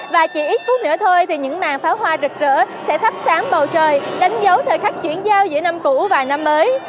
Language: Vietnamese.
và chỉ ít phút nữa thôi thì những màn pháo hoa rực rỡ sẽ thắp sáng bầu trời đánh dấu thời khắc chuyển giao giữa năm cũ và năm mới